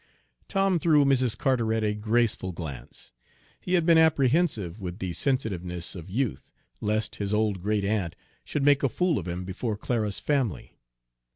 Tom threw Mrs. Carteret a grateful glance. He had been apprehensive, with the sensitiveness of youth, lest his old great aunt should make a fool of him before Clara's family.